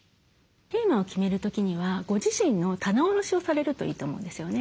テーマを決める時にはご自身の棚卸しをされるといいと思うんですよね。